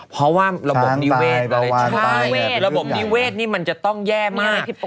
เพราะว่าระบบนิเวศจะต้องแย่มาก